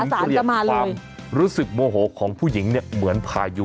และถึงเตรียมความรู้สึกโมโหของผู้หญิงเหมือนพายุ